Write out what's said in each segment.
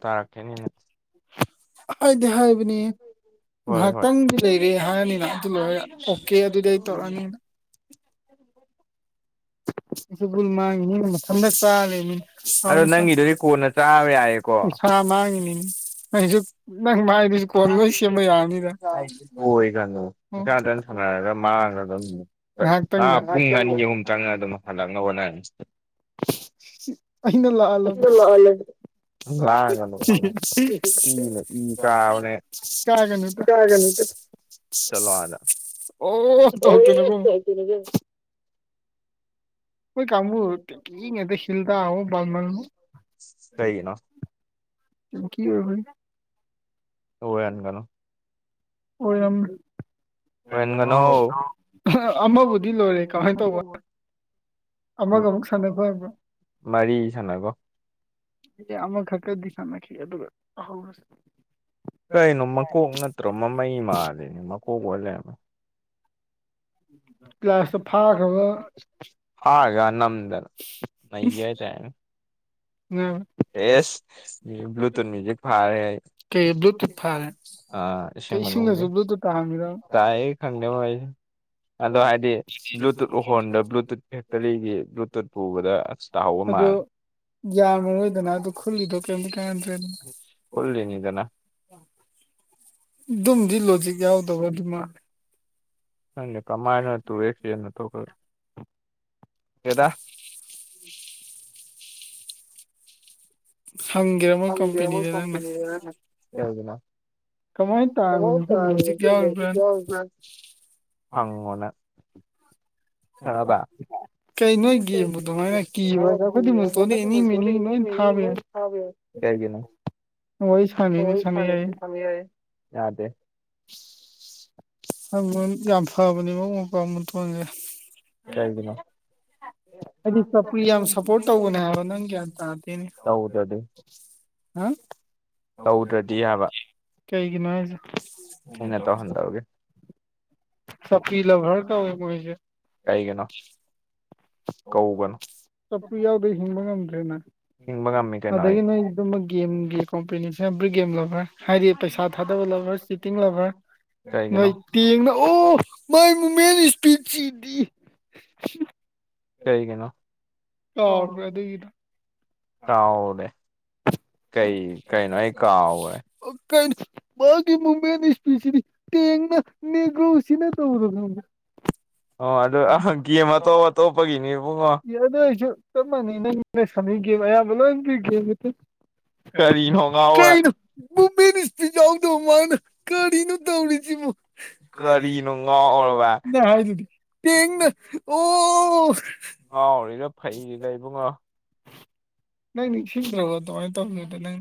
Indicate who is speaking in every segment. Speaker 1: ꯇꯔ ꯀꯦꯅꯤꯅꯦ
Speaker 2: ꯍꯥꯏꯗ ꯍꯥꯏꯥꯏꯕꯅꯤ ꯉꯥꯏꯍꯥꯛꯇꯪꯗꯤ ꯂꯩꯔꯦ ꯍꯥꯏꯔꯅꯤꯅ ꯑꯗꯨ ꯂꯣꯏꯔ ꯑꯣꯀꯦ ꯑꯗꯨꯗꯤ ꯑꯩ ꯇꯧꯔꯛꯑꯅꯤꯅ
Speaker 1: ꯎꯝ
Speaker 2: [inaudible] ꯑꯩꯒꯨꯜ ꯃꯥꯡꯉꯤ ꯃꯤ ꯃꯊꯟꯇ ꯆꯥꯔꯦ ꯑ ꯃꯥꯅꯤꯖꯛ
Speaker 1: ꯑꯣꯏ ꯀ ꯀ ꯁꯥꯟꯅꯔꯒ ꯃꯃꯥꯡꯗ ꯑꯗꯨꯝꯥ ꯄꯨꯡ ꯑꯅꯤ ꯑꯍꯨꯝ ꯆꯪ ꯑꯗꯨꯝ ꯍꯜꯂꯛꯒ ꯍꯣꯠꯅꯔꯅꯤꯁꯤ
Speaker 2: ꯑꯩꯅ ꯂꯥ ꯀ ꯀꯩꯅ ꯇ
Speaker 1: ꯆꯂꯣ ꯑꯂ
Speaker 2: ꯑꯣ
Speaker 1: ꯀ
Speaker 2: ꯑꯩꯣꯏ ꯀꯃꯕꯨ ꯏ ꯁꯤꯜꯗ ꯑ ꯜ ꯃꯜꯅ
Speaker 1: ꯀꯩꯅꯣ
Speaker 2: ꯀ ꯑꯣꯏꯔꯕ ꯐ
Speaker 1: ꯍꯋꯅꯒꯅꯣ
Speaker 2: ꯑꯣꯏꯔ ꯑꯃꯕꯨꯗꯤ ꯂꯣꯏꯔꯦ ꯀꯃꯥꯏꯅ ꯇꯧꯕꯅꯣ
Speaker 1: ꯃꯔꯤꯁꯅꯀꯣ
Speaker 2: ꯑꯦ ꯑꯃꯈꯛꯀꯗꯤ ꯁꯥꯟꯅꯈꯤ ꯑꯗꯨꯒ
Speaker 1: ꯀꯩꯅꯣ ꯃꯀꯣꯛ ꯅꯠꯇ꯭ꯔꯣ ꯃꯃꯩ ꯃꯥꯜꯂꯤꯅꯦ ꯃꯀꯣꯛ ꯑꯣ ꯂꯩꯔꯝꯃꯦ
Speaker 2: ꯄ꯭ꯂꯥꯁꯇ ꯐꯥꯈ꯭ꯔꯕ
Speaker 1: ꯑꯦꯁ ꯭ꯂꯨꯇꯨꯊ ꯃꯨꯖꯤꯛ ꯐꯥꯔ ꯐ ꯑꯥ ꯏꯁꯤꯡ ꯃꯕꯣꯒ ꯇꯏ ꯈꯪꯗꯉꯥꯏ
Speaker 2: ꯍꯥꯏꯗꯤ꯭ꯂꯟ꯭ꯂ ꯌꯥꯃꯔꯣꯏꯗꯅ ꯑꯗꯨ ꯈꯨꯜꯂꯤꯗꯣ ꯀꯔꯤꯝꯇ ꯀꯗ꯭ꯔꯦ ꯑꯗꯨꯝꯗꯤ ꯂꯣꯖꯤꯛ ꯌꯥꯎꯗꯕ ꯑꯗꯨꯃꯂ
Speaker 1: ꯅꯦ ꯀ꯭ꯔꯃꯥꯏꯅ ꯇꯨꯁꯅ ꯊꯣꯛꯈ꯭ꯔꯦ
Speaker 2: ꯑ
Speaker 1: ꯑꯌꯥꯃ ꯀꯄꯅꯤꯅꯥ ꯪꯅ
Speaker 2: ꯈꯔꯕ
Speaker 1: ꯃꯇ ꯅ ꯊꯦ ꯀꯒꯤꯅꯣ ꯐ ꯊ ꯌꯥꯗ
Speaker 2: ꯌꯥꯝ ꯐꯕꯅꯤ ꯃꯨꯡ ꯃꯧꯄꯥ ꯃꯨꯊꯣꯟꯁꯦ
Speaker 1: ꯀꯥꯏꯒꯤꯅꯣ
Speaker 2: ꯍꯥꯏꯗꯤ ꯆꯨ ꯌꯥꯝ ꯁꯞꯄꯣꯔꯠ ꯇꯧꯕꯅꯦ ꯍꯥꯏꯕ ꯅꯪ ꯒ꯭ꯌꯥꯟ ꯇꯥꯗꯦꯅꯦ ꯍꯥꯝ ꯀꯩꯒꯤꯅꯣ ꯍꯥꯏꯁꯦ ꯇ ꯁ ꯄꯤꯂꯚꯔꯀꯃꯣꯏꯁꯦ
Speaker 1: ꯀꯩ ꯀꯅꯣ
Speaker 2: ꯆꯐꯨ ꯌꯥꯎꯗꯦ ꯍꯤꯡꯕ ꯉꯝꯗ꯭ꯔꯦꯅ ꯑꯗꯒꯤ ꯅꯣꯏ ꯑꯗꯨꯃ ꯒꯦꯝꯒꯤ ꯀꯣꯝꯄꯤꯇꯤꯁꯟ ꯑꯦꯕ꯭ꯔꯤ ꯒꯦꯝ ꯂꯧꯕ꯭ꯔꯥ ꯍꯥꯏꯗꯤ ꯄꯩꯁꯥ ꯊꯥꯗꯕ ꯂꯕ꯭ꯔꯥ ꯆꯤꯇꯤꯡꯂꯕ꯭ꯔꯥ ꯅꯣꯏ ꯇꯦꯡꯅꯑꯣ ꯃꯥꯏ ꯃꯃꯦꯟ ꯏꯁꯄꯤꯗꯁꯤꯗꯤ
Speaker 1: ꯀꯩ ꯀꯅꯣ
Speaker 2: ꯆꯗꯗ ꯑꯣ ꯀ ꯃꯥꯒꯤ ꯃꯨꯝꯕꯩꯅꯤ ꯏꯁꯇꯁꯤꯗꯤ ꯇꯦꯡꯅ ꯅꯒ꯭ꯔꯣꯁꯤꯅ ꯇꯧꯔꯣ
Speaker 1: ꯑꯣ ꯑꯗꯨ ꯒꯦꯝ ꯑꯇꯣꯞ ꯑꯇꯣꯞꯄꯒꯤꯅꯦꯕꯨꯡꯉꯣ
Speaker 2: ꯑꯗꯨ ꯑꯩꯁꯨ ꯆꯞ ꯃꯥꯟꯅꯩ ꯅꯪꯅ ꯁꯃꯤ ꯒꯦꯝ ꯑꯌꯥꯝꯕ ꯂꯣꯏ ꯄꯤꯦꯝ ꯀ ꯀꯅ ꯨꯝꯕꯦꯅ ꯏꯁꯇ ꯌꯥꯎꯗꯕ ꯃꯥꯅ ꯀꯔꯤꯅꯣ ꯇꯧꯔꯤꯁꯤꯕꯣ ꯍꯥꯏꯗꯨꯗꯤ ꯇꯦꯡꯦꯡꯅ ꯑꯣ
Speaker 1: ꯉꯥꯎꯔꯤ ꯂꯣ ꯐꯩꯔꯤ ꯂꯩ ꯏꯕꯨꯡꯉꯣ
Speaker 2: ꯅꯪ ꯅꯤꯡꯁꯤꯡꯗ꯭ꯔꯕꯣ ꯑꯗꯨꯃꯥꯏꯅ ꯇꯧꯒꯦꯗ ꯅꯪ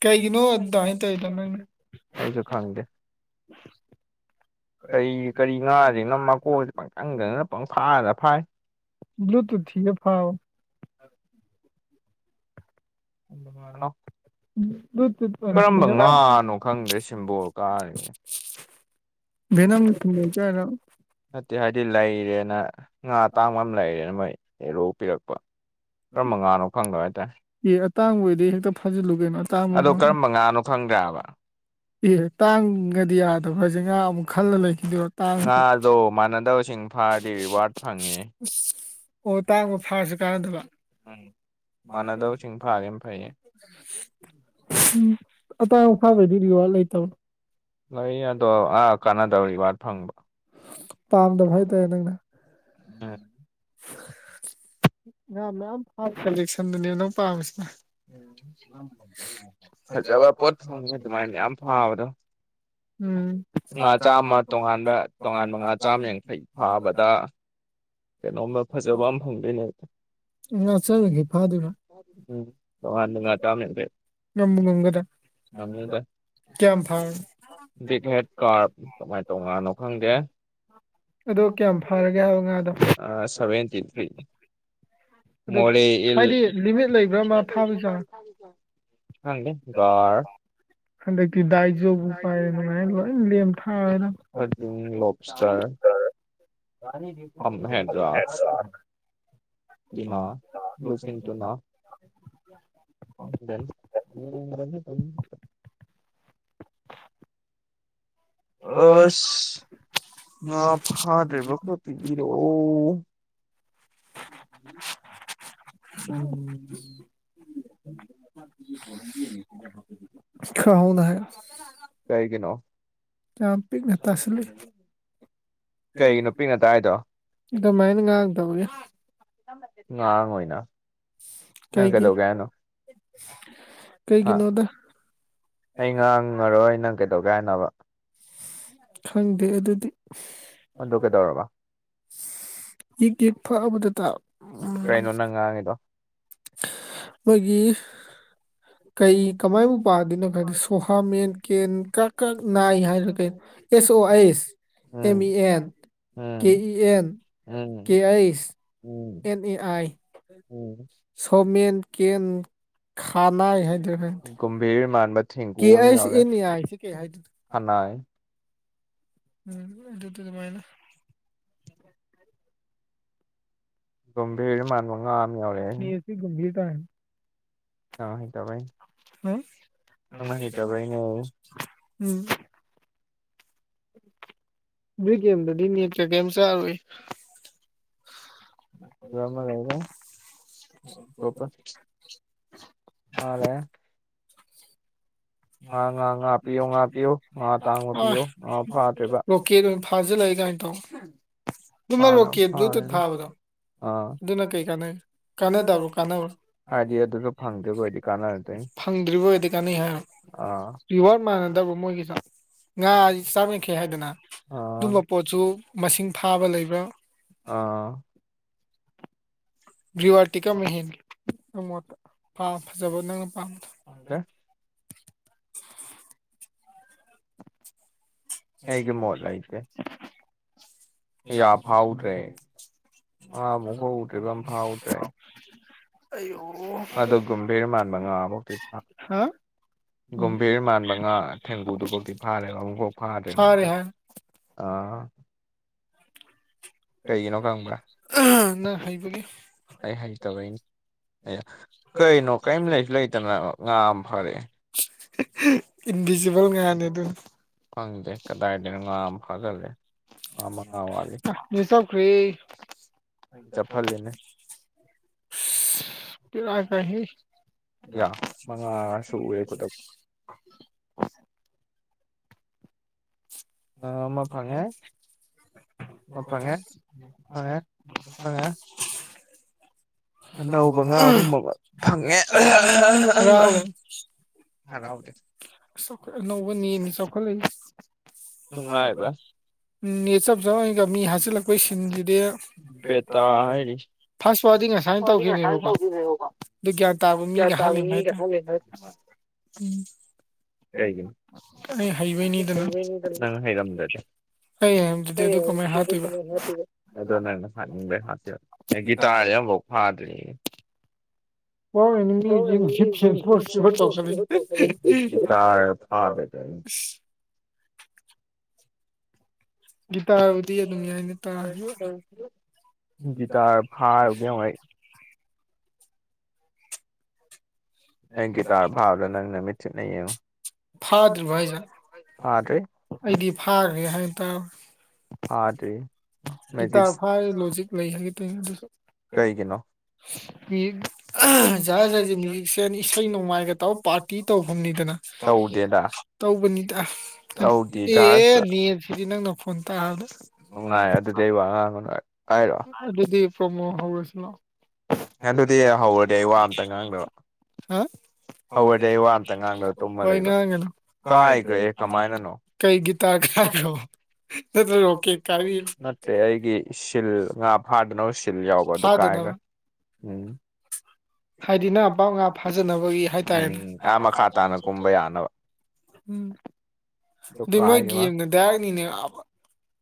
Speaker 2: ꯀꯩꯒꯤꯅꯣꯗ ꯇꯏ ꯂ
Speaker 1: ꯑꯩꯁꯨꯨ ꯈꯥꯡꯦ ꯀꯔꯤ ꯀꯔꯤ ꯉꯥꯁꯤꯅꯣ ꯃꯀꯣꯟꯁ ꯄꯪꯇꯪꯗꯗꯅ ꯄꯪꯐꯥꯗ ꯐꯥꯏ
Speaker 2: ꯭ꯂꯨꯇꯨꯊ ꯊ ꯐꯕ ꯃꯥꯅ
Speaker 1: ꯀꯔꯝꯕ ꯉꯥꯅꯣ ꯈꯪꯗ꯭ꯔꯦ ꯁꯤꯝꯕꯣꯜ ꯀꯥꯔꯤꯅꯦ
Speaker 2: ꯅ ꯆꯅ
Speaker 1: ꯅꯠꯇꯦ ꯍꯥꯏꯕꯗꯤ ꯂꯩꯔꯦꯅ ꯉꯥ ꯇꯥꯡꯕ ꯑꯃ ꯂꯩꯔꯦꯅ ꯃꯣꯏꯔꯣꯛ ꯄꯤꯔꯛꯄ
Speaker 2: ꯑꯦ ꯑꯇꯥꯡꯕꯩꯗꯤ ꯍꯦꯛꯇ ꯐꯖꯤꯜꯂꯨ ꯀꯩꯅꯣ ꯑꯇꯥꯡꯕ ꯑꯃ
Speaker 1: ꯐꯪꯒꯥ꯭ꯔꯕ
Speaker 2: ꯏꯦ ꯇꯥꯡꯒꯗꯤ ꯌꯥꯗꯕ꯭ꯔꯁꯦ ꯉꯥ ꯑꯃꯨꯛ ꯈꯜꯂ ꯂꯩꯈꯤꯗꯣꯏ
Speaker 1: ꯉꯥꯗꯣ ꯃꯥꯟꯅꯗꯕꯁꯤꯡ ꯐꯥꯔꯗꯤ ꯔꯤꯋꯥꯔꯠ ꯐꯪꯉꯦ
Speaker 2: ꯑꯣ ꯇꯥꯡꯕ ꯐꯥꯔꯁꯨ ꯀꯥꯟꯅꯗꯕ ꯃꯅꯗꯔꯦ ꯎꯝ ꯑꯇꯥꯡꯕ ꯐꯥꯕꯩꯗꯤ ꯔꯤꯋꯥꯔꯗ ꯂꯩꯇꯕꯅꯣ
Speaker 1: ꯂꯩ ꯑꯗꯣ ꯑꯥ ꯀꯥꯟꯅꯗꯧꯔꯤ ꯋꯥꯔꯠ ꯐꯪꯕ
Speaker 2: ꯄꯥꯝꯗꯕ ꯍꯥꯏꯇꯥꯔꯦ ꯅꯪꯅ ꯑ ꯃꯌꯥꯝ ꯐ ꯀꯂꯦꯛꯁꯟꯗꯨꯅꯦ ꯅꯪ ꯄꯥꯝꯃꯤꯁꯤꯅ
Speaker 1: ꯕ ꯄꯣꯠ ꯐꯥꯎ ꯑꯗꯨ ꯃꯥꯥꯏ ꯌꯥꯝ ꯐꯥꯎꯕꯗꯣ ꯉꯥ ꯆꯥꯃ ꯇꯣꯉꯥꯟꯕ ꯇꯣꯉꯥꯟꯕ ꯉꯥ ꯆꯥꯝꯃ ꯌꯥꯡꯈꯩ ꯐꯥꯕꯗ ꯀꯩꯅꯣꯝꯕ ꯐꯖꯕ ꯑꯃ ꯐꯪꯗꯣꯏꯅꯦ ꯎꯝꯉꯅꯨꯡꯉ ꯆ
Speaker 2: ꯉꯝꯃꯨ ꯉꯒꯗ ꯀ ꯐꯥꯔ ꯑꯗꯨꯗꯣ ꯀꯌꯥꯝ ꯐꯔꯒꯦ ꯍꯥꯏꯕ ꯉꯥꯗꯣ
Speaker 1: ꯁꯚꯦꯟꯇꯤꯟ ꯊ ꯃꯣ ꯏ ꯅꯪꯦ ꯒꯔ
Speaker 2: ꯍꯟꯗꯛꯀꯤ ꯗꯥꯏꯖꯧꯕ ꯄꯥꯏꯔꯅꯉꯥꯏ ꯂꯣꯏ ꯂꯦꯝ ꯊꯥꯔꯅ
Speaker 1: ꯅꯣꯁꯀ
Speaker 2: ꯌꯥꯔꯤ
Speaker 1: ꯍꯥꯏ꯭ꯔ ꯄꯅꯥ ꯂꯨꯁꯤ ꯇꯨꯅ ꯎ
Speaker 2: ꯑ ꯎꯝ ꯈꯅ ꯍꯥꯏ
Speaker 1: ꯀꯩꯒꯤꯅꯣ
Speaker 2: ꯆ ꯄꯤꯛ ꯉꯠꯇꯁꯂ ꯑꯗꯨꯃꯥꯏꯅ ꯉꯥꯡꯗꯕꯒꯤ
Speaker 1: ꯉꯥꯡ ꯑꯣꯏꯣꯏꯅ
Speaker 2: ꯀꯩꯒꯤ
Speaker 1: ꯑꯥ ꯑꯩ ꯉꯥꯡꯉꯔꯣꯏ ꯅꯪ ꯀꯩꯗꯧꯒꯦ ꯍꯥꯏꯣꯅꯕ
Speaker 2: ꯈꯪꯗꯦ ꯑꯗꯨꯗꯤ
Speaker 1: ꯑꯣꯟ ꯇ ꯀꯩꯗꯧꯔꯕ
Speaker 2: ꯌꯦ ꯌꯦ ꯐꯕꯗꯨ ꯇ
Speaker 1: ꯀꯩꯅ ꯎ ꯅꯪꯥꯡꯗꯣ
Speaker 2: ꯃꯣꯏꯒꯤ ꯀꯩ ꯀꯃꯥꯏꯕꯨ ꯄꯥꯗꯣꯏꯅꯣ ꯈꯗꯤ ꯁꯣꯍꯥ ꯃꯦꯟ ꯀꯦꯟ ꯀꯛ ꯀꯛ ꯅꯥꯏ ꯍꯥꯏꯔ ꯀꯩꯅꯩꯅꯣ ꯑꯦꯁ ꯑꯣ ꯑꯥꯏꯁ
Speaker 1: ꯎꯝ ꯎꯝꯝ ꯎꯝ ꯎꯝ
Speaker 2: ꯁꯧꯃꯦꯟ ꯀꯦꯟ ꯈꯥꯅꯥ ꯍꯥꯏꯗꯨ
Speaker 1: ꯒꯝꯚꯤꯔ ꯃꯥꯥꯟ
Speaker 2: ꯀꯦ ꯑꯩꯁ ꯑꯦꯅꯤ ꯑꯥꯏꯁꯦ ꯀꯩ ꯍꯥꯏꯗꯨꯅ
Speaker 1: ꯍꯅꯥꯥꯏ
Speaker 2: ꯎꯝ ꯑꯗꯨꯗꯨ ꯑꯗꯨ ꯑꯗꯨꯃꯥꯏꯅ
Speaker 1: ꯒꯣꯕꯤꯔ ꯃꯥꯟꯕ ꯉꯥ ꯑꯃ ꯌꯥꯎꯔꯛꯦ
Speaker 2: [unintelligible] [unintelligible] ꯇꯥꯏ
Speaker 1: [unintelligible] ꯍꯩꯇꯕꯩꯅꯤ
Speaker 2: ꯍꯥ
Speaker 1: ꯅꯪ ꯅꯥ ꯍꯩꯇꯕꯩꯅꯦ
Speaker 2: ꯎꯝ ꯅꯣꯏ ꯒꯦꯝꯗꯨꯗꯤ ꯅꯦꯠ ꯀꯥ ꯀꯩꯝ ꯆꯥꯔꯣꯏ [inaudible] [unintelligible]
Speaker 1: [unintelligible] ꯑꯃ ꯂꯩꯔꯦ [unintelligible] ꯐꯔꯦ
Speaker 2: ꯉꯥ ꯉꯥ ꯉꯥ ꯄꯤꯌꯨ [unintelligible] ꯑꯥꯢ ꯂꯣꯀꯦꯜ ꯑꯣꯏꯅꯥ ꯐꯖꯤꯜ ꯂꯛꯏ ꯑꯗꯨꯃ ꯔꯣꯀꯦꯠ ꯕ꯭ꯂꯨꯇꯨꯠ ꯊꯥꯕꯗꯣ
Speaker 1: ꯑꯥ [unintelligible] [unintelligible] ꯍꯥꯏꯗꯤ ꯑꯗꯨꯗ ꯐꯪꯖꯥꯕꯨꯣꯏꯗꯤ ꯀꯥꯟꯅꯔꯛ ꯇꯣꯏꯅꯤ
Speaker 2: ꯔꯤꯋꯥ꯭ꯔꯗ ꯃꯥꯟꯅꯗꯕ ꯃꯣꯏꯒꯤꯁꯨ ꯉꯥꯁꯤ ꯆꯝ ꯌꯥꯡꯈꯩ ꯍꯥꯏꯗꯅ ꯑꯗꯨꯝꯕ ꯄꯣꯠꯁꯨ ꯃꯁꯤꯡ ꯊꯥꯕ ꯂꯩꯕ꯭ꯔꯥ
Speaker 1: ꯑ
Speaker 2: ꯔꯤꯋꯥꯇꯤ ꯀꯔꯝꯕꯅꯥ ꯍꯦꯟꯒꯦ ꯅꯪ ꯃꯣꯥꯠ ꯇꯥ ꯐꯖꯕ ꯅꯪꯅ ꯄꯥꯝꯝꯕ
Speaker 1: ꯑꯗ [unintelligible] [unintelligible] ꯑꯩꯒꯤ ꯃꯣꯠ ꯂꯩꯇꯦ ꯌꯥ ꯐꯥꯎꯗ꯭ꯔꯦ ꯑꯥ ꯑꯃꯨꯛꯐꯧ ꯎꯗ꯭ꯔꯤꯕ ꯑꯃ ꯐꯥꯎꯗ꯭ꯔꯦ ꯑꯗꯣ ꯒꯨꯝꯕꯤꯔ ꯃꯥꯟꯕ ꯉꯥ ꯕꯥꯎꯗꯤ ꯐꯥ ꯒꯝꯚꯔ ꯃꯥꯟꯕ ꯉꯥ ꯊꯦꯡꯕꯨꯗꯨ ꯕꯧꯗꯤ ꯐꯥꯔꯦ ꯑꯃꯨꯛꯐꯥꯎ ꯐꯗꯔ꯭ꯦ ꯍꯥꯏꯝ ꯅꯤꯗ
Speaker 2: ꯀꯔꯤꯒꯤꯅꯣ [unintelligible] [unintelligible] ꯅꯪ ꯍꯩꯕꯒꯤ
Speaker 1: ꯀꯩꯅꯣ ꯀꯔꯤꯝ ꯂꯩꯁꯨ ꯂꯩꯇꯅ ꯉꯥ ꯑꯃ ꯐꯔꯛꯑꯦ
Speaker 2: ꯏꯟꯚꯤꯖꯤꯕꯜ ꯉꯥꯅꯤ ꯑꯗꯨꯅꯥ
Speaker 1: ꯈꯪꯗꯦ ꯀꯗꯥꯏꯗꯅꯣ ꯉꯥ ꯑꯃ ꯐꯥꯒꯠꯂꯦ
Speaker 2: ꯅꯦꯠ ꯆꯄꯈꯔ꯭ꯦ [unintelligible] [unintelligible] ꯕꯦꯔꯥ ꯀꯥꯏꯍꯦ ꯌꯥ ꯑ [unintelligible] [unintelligible] [unintelligible] ꯐꯪꯏ [unintelligible] [unintelligible] [unintelligible] [unintelligible] [unintelligible] [unintelligible] [unintelligible] [inaudible] ꯑꯅꯧꯕꯥ ꯉꯥ ꯍꯔꯥꯎꯔꯦ [unintelligible] [unintelligible] [unintelligible] ꯍꯔꯥꯎꯗꯦ ꯍꯥꯁ ꯑꯅꯧꯕꯥ ꯅꯦꯠꯅꯦ ꯆꯄꯈꯠꯂꯛ꫰ꯑꯦꯁꯦ ꯅꯨꯡꯉꯥꯏꯕꯔꯥ ꯅꯦꯠ ꯆꯞ ꯆꯥꯞꯅ ꯃꯤ ꯍꯠꯁꯤꯟꯂꯛꯄꯒꯤ ꯁꯤꯟ ꯁꯤꯗꯤ ꯐꯥꯔ꯭ꯁ ꯄꯋꯥꯔꯗꯤ ꯉꯁꯥꯏ ꯇꯧꯈꯤꯕꯅꯦꯕꯀꯣ ꯑꯗꯨ ꯒ꯭ꯌꯥꯟ ꯇꯥꯕ ꯃꯤꯒ ꯍꯥꯠ ꯂꯩꯔꯝꯕ ꯍꯥꯏꯇꯥꯔꯦ ꯎꯝ ꯀꯔꯤꯒꯤꯅꯣ ꯑꯩ ꯍꯩꯕꯩꯅꯤꯗꯅ
Speaker 1: ꯅꯪ ꯍꯩꯔꯝꯗꯔ꯭ꯗꯤ ꯍꯥꯠꯇꯧꯕꯥ ꯑꯗꯣ ꯅꯪꯅꯥ ꯍꯠꯅꯤꯡꯕ ꯒꯤ ꯍꯥꯠꯇꯣꯏꯕꯥ ꯑꯦ ꯒꯤꯇꯥꯔ ꯑꯃꯐꯥꯎ ꯐꯥꯗ꯭ꯔꯤ ꯊ [unintelligible] [unintelligible] [unintelligible] [unintelligible] [unintelligible] [unintelligible] [unintelligible] [unintelligible] [unintelligible] [unintelligible] [unintelligible] [unintelligible] ꯒꯤꯇꯔ ꯐꯥꯔꯗꯤ ꯍꯌꯦꯡꯋꯥꯏ ꯅꯪ ꯒꯤꯇꯥꯔ ꯚꯥꯕꯗꯣ ꯅꯪ ꯅꯃꯤꯠꯊꯤꯠꯅꯥ ꯌꯦꯡꯉꯨ
Speaker 2: ꯐꯥꯗ꯭ꯔꯤꯕꯣ ꯍꯥꯏꯁꯦ ꯑꯩꯗꯤ ꯐꯥꯈ꯭ꯔꯦ ꯍꯥꯏꯅ ꯇꯥꯕ ꯒꯤꯇꯥꯔ ꯐꯥꯏ ꯂꯣꯖꯤꯛ ꯂꯩ ꯍꯥꯏꯒꯦ ꯇꯧꯅꯦ ꯑꯗꯨꯁꯨ ꯀꯩꯒꯤ ꯅꯣ ꯍ [unintelligible] [unintelligible]
Speaker 1: [unintelligible] [unintelligible]
Speaker 2: ꯍꯦꯟ ꯏꯁꯩ ꯅꯣꯡꯃꯥꯏꯒ ꯇꯧ ꯄꯥꯔꯇꯤ ꯇꯧꯐꯝꯅꯤꯗꯅ ꯇꯧꯗꯦꯗꯥ ꯇꯧꯕꯅꯤꯗ ꯇꯧꯗꯦꯗꯥ ꯑꯦ ꯅꯦꯠꯁꯤꯗꯤ ꯅꯪꯅ ꯅꯈꯣꯟ ꯇꯥꯕꯗꯥ ꯅꯨꯪꯉꯥꯏꯔꯛꯄꯔꯥ ꯑꯗꯨꯗꯤ ꯄ꯭ꯔꯃ ꯍꯔꯁꯣ
Speaker 1: ꯑꯗꯨꯗꯤ ꯍꯧꯔꯗꯤ ꯑꯩ ꯋꯥ ꯑꯃꯝꯇ ꯉꯥꯡꯗꯕ
Speaker 2: ꯍꯥ ꯍꯋꯥ ꯋꯥ ꯀ ꯀ ꯀꯩ ꯒꯤꯇꯥ ꯈꯒꯣ
Speaker 1: ꯅꯠꯇ꯭ꯔꯦ ꯑꯩꯒꯤ ꯁꯤꯜ ꯉꯥ ꯐꯥꯗꯅꯕ ꯁꯤꯜ ꯌꯥꯎꯕ ꯑꯗꯨ ꯀꯥꯏꯒ ꯎꯝ
Speaker 2: ꯍꯥꯏꯗꯤ ꯅ ꯄꯥꯎ ꯉꯥ ꯐꯥꯖꯅꯕꯒꯤ ꯍꯥꯏꯗꯤ ꯃ ꯈꯥ ꯇ ꯁꯖ ꯑꯗꯨ ꯃꯣꯏꯒꯤꯦꯝꯗ ꯗꯥꯏꯔꯛꯅꯤꯅꯦ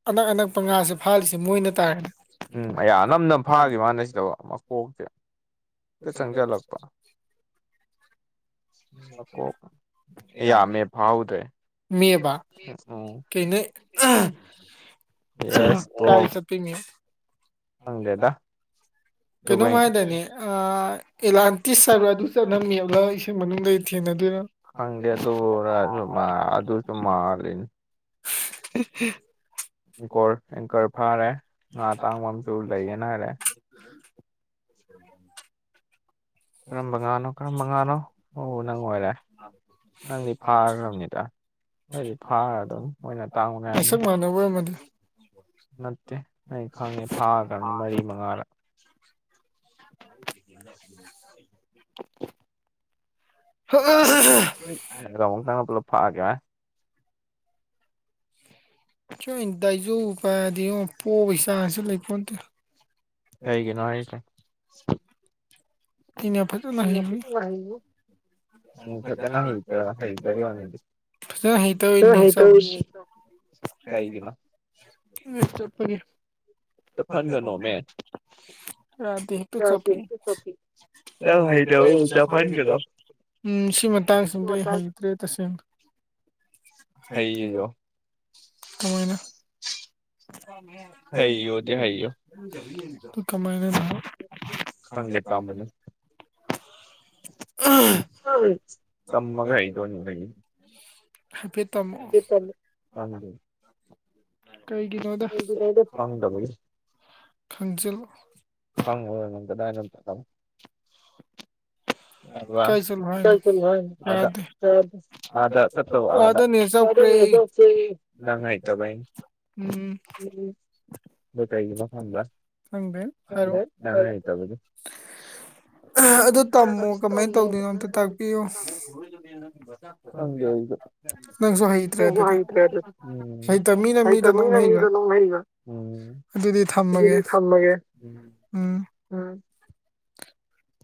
Speaker 2: ꯑꯅꯛ ꯑꯅꯛꯄ ꯉꯥꯁꯦ ꯐꯥꯜꯂꯤꯁꯦ ꯃꯣꯏꯅ ꯇꯥꯔꯦꯅꯦ
Speaker 1: ꯎꯝ ꯑꯌꯥ ꯑꯅꯝꯅ ꯐꯥꯈꯤ ꯃꯥꯅ ꯁꯤꯗ ꯃꯀꯣꯛꯁꯦ
Speaker 2: ꯆꯪ ꯃꯁ ꯌꯥ ꯌꯥ ꯃ ꯊ
Speaker 1: ꯃꯤ ꯃꯤ
Speaker 2: ꯀꯥꯏ ꯏ ꯆꯇꯤꯃꯤ
Speaker 1: ꯍꯪꯗꯦꯗ
Speaker 2: ꯀꯩꯅꯣꯝꯃ ꯍꯥꯏꯗꯅꯤ ꯑ
Speaker 1: ꯊ ꯁꯔ ꯆ ꯃ ꯐꯥꯡꯗꯗ ꯃꯥ ꯑꯗꯨꯁꯨ ꯃꯥꯂꯅꯤ
Speaker 2: [unintelligible] ꯣꯊ ꯃꯥ [unintelligible] ꯝꯕꯥꯅ ꯉꯅ
Speaker 1: ꯑꯩꯗꯤ ꯐꯥꯔ ꯑꯗꯨꯝ ꯃ ꯑꯣꯏꯅ ꯇꯥꯡꯅꯔꯅꯤ ꯅꯠꯇꯦ ꯑꯩ ꯈꯪꯉꯦ ꯐꯥꯗ꯭ꯔꯅꯤ ꯃꯔꯤ ꯃꯉꯥꯔ
Speaker 2: [inaudible] [inaudible]
Speaker 1: ꯎ ꯎꯃ ꯇꯅ ꯄꯨꯂ ꯐꯥꯒꯦ
Speaker 2: ꯏꯆ ꯗꯥꯏꯖꯧ ꯄꯥꯏꯔꯗꯤ ꯌꯦꯉꯣ ꯄꯣꯛꯕꯩ ꯆꯥꯁꯤ ꯂꯩꯄꯣꯟꯠꯇꯦ
Speaker 1: ꯀꯩꯒꯤꯅꯣ ꯍꯥꯏꯂ
Speaker 2: ꯊꯅꯤꯌꯥ
Speaker 1: ꯎ
Speaker 2: ꯎ
Speaker 1: ꯎ ꯀꯩꯅ ꯍ ꯍꯗꯔ ꯋꯥꯗꯤ
Speaker 2: ꯐ ꯍ ꯇꯅꯤ ꯆ ꯑ ꯆꯠꯄꯒꯦ
Speaker 1: ꯐꯪꯒꯅꯣ ꯃ ꯆ ꯆ ꯍꯥꯏ ꯆ ꯐ ꯀꯗ
Speaker 2: ꯎꯝ ꯁꯤ ꯃꯇꯥꯡꯁꯤꯗꯤ ꯑꯩ ꯍꯩꯇ꯭ꯔꯦ ꯇꯁꯦꯡꯅꯣ ꯀꯅ ꯍꯥꯏꯩꯒꯣ ꯍꯥꯏꯣ ꯀꯃꯥꯏꯅ ꯊ ꯈꯪꯗ [inaudible]
Speaker 1: ꯀꯃꯒ ꯑꯩꯗꯣ ꯂꯩ
Speaker 2: ꯍꯥꯏꯄꯤꯦ ꯇꯃꯣ ꯀꯩꯒꯤꯅꯣꯗ ꯈꯪꯖꯤꯜ
Speaker 1: ꯍꯪ ꯍꯣꯏ ꯅꯗꯗꯥꯥꯏꯅ ꯗꯗ ꯉ ꯇ ꯇꯥꯏꯦ ꯃꯐꯝꯥꯟꯗ
Speaker 2: ꯈꯪꯗꯦ
Speaker 1: ꯈꯪꯗꯦ ꯅꯪ ꯍꯩꯇꯕꯒꯤ [unintelligible] ꯈꯪꯗꯦ ꯑꯩꯖꯨ [unintelligible] ꯍꯩꯇꯝꯅꯤꯅꯥ ꯃꯤꯗꯣ ꯅꯣꯛꯅꯔꯤꯕꯥ ꯑꯗꯨꯗꯤ ꯊꯝꯃꯒꯦ
Speaker 2: ꯎꯝ
Speaker 1: ꯎꯝ
Speaker 2: [unintelligible]